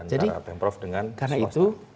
jadi karena itu